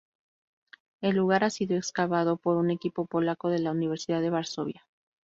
El lugar ha sido excavado por un equipo polaco de la Universidad de Varsovia.